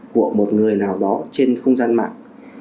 của một người nào đó trên không gian mạng